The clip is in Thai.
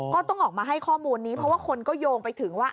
ก็ต้องออกมาให้ข้อมูลนี้เพราะว่าคนก็โยงไปถึงว่า